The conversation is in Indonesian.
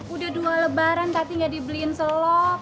udah dua lebaran tati gak dibeliin selop